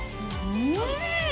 うん！